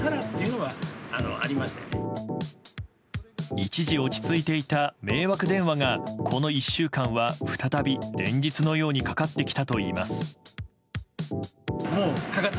一時、落ち着いていた迷惑電話がこの１週間は、再び連日のようにかかってきたといいます。